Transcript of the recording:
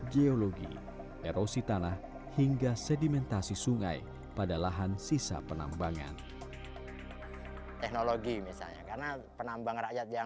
geologi erosi tanah hingga sedimentasi sungai pada lahan sisa penambangan